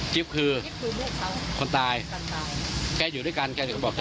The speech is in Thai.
จิ๊บคือคนตายแกอยู่ด้วยกันแกอยากบอกจะรอ